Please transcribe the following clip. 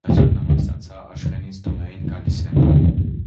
այսօր նամակ ստացա Աշխենից, տոներին գալիս է: